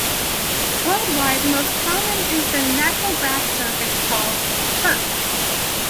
Worldwide, the most common is a natural grass surface, called "turf".